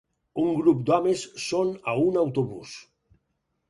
Un grup d'homes són a un autobús